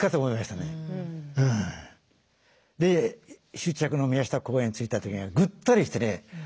終着の宮下公園着いた時にはぐったりしてね